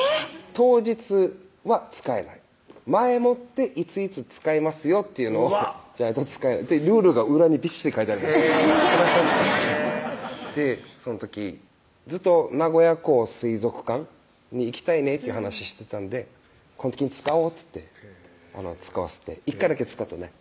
当日は使えない前もって「いついつ使いますよ」というのをじゃないと使えないルールが裏にびっしり書いてあるその時ずっと「名古屋港水族館に行きたいね」って話してたんでこの時に使おうっつって使わせて１回だけ使ったね